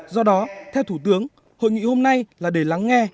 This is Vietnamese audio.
do đó theo thủ tướng hội nghị hôm nay là để lắng nghe